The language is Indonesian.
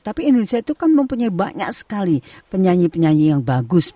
tapi indonesia itu kan mempunyai banyak sekali penyanyi penyanyi yang bagus